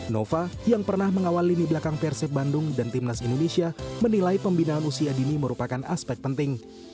nova yang pernah mengawal lini belakang persib bandung dan timnas indonesia menilai pembinaan usia dini merupakan aspek penting